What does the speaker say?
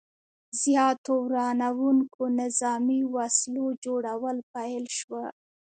زیاتو ورانوونکو نظامي وسلو جوړول پیل شو.